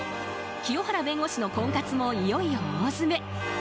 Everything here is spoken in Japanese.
清原弁護士の婚活もいよいよ大詰め。